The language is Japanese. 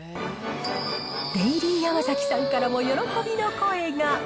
デイリーヤマザキさんからも喜びの声が。